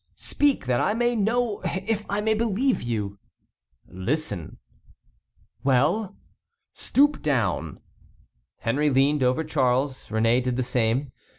Speak, that I may know if I may believe you." "Listen." "Well?" "Stoop down." Henry leaned over Charles. Réné did the same.